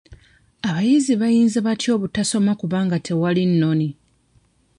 Abayizi bayinza batya obutasoma kubanga tewali nnoni?